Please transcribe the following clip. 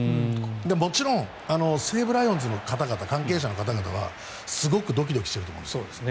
もちろん西武ライオンズの関係者の方々はすごくドキドキしてると思います。